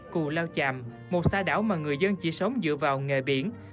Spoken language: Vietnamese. cù lao chàm một xã đảo mà người dân chỉ sống dựa vào nghề biển